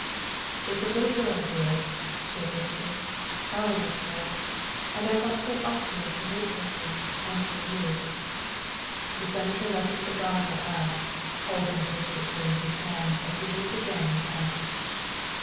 " It's a little girl, dearest," she had whispered, ." our little girl, and I want so awfully to live for her and THE SECRETARY OF STATE 203 for you.'' The Senator let his cigar go out, holding it listlessly in his hand as he lived again in the past.